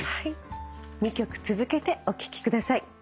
２曲続けてお聴きください。